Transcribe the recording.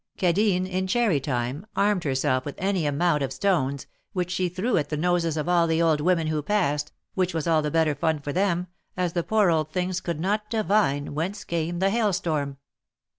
Cadine, in cherry time, armed herself with any amount of stones, which she threw at the noses of all the old women who passed, which was all the better fun for them, as the poor old things could not divine whence came the hailstorm.